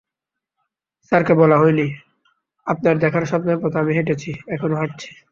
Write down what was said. স্যারকে বলা হয়নি, আপনার দেখানো স্বপ্নের পথে আমি হেঁটেছি, এখনো হাঁটছি।